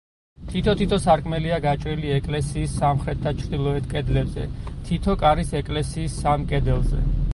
თითო-თითო სარკმელია გაჭრილი ეკლესიის სამხრეთ და ჩრდილოეთ კედლებზე, თითო კარის ეკლესიის სამ კედელზე.